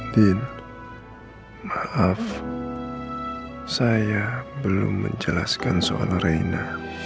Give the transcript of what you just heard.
bin maaf saya belum menjelaskan soal reina